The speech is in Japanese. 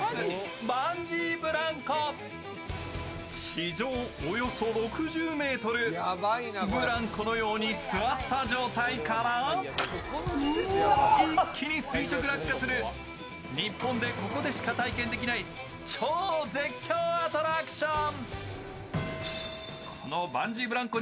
地上およそ６０ｍ、ブランコのように座った状態から一気に垂直落下する日本でここでしか体験できない超絶叫アトラクション。